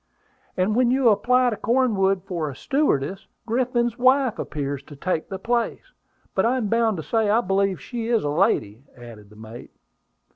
"And when you apply to Cornwood for a stewardess, Griffin's wife appears to take the place. But I am bound to say I believe she is a lady," added the mate.